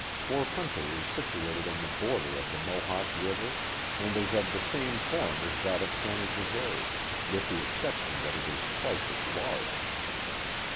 Fort Hunter is situated on the border of the Mohawk River and is of the same form as that of Canajoharie, with the exception that it is twice as large.